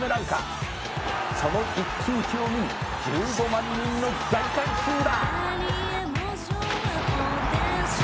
「その一騎打ちを見に１５万人の大観衆だ」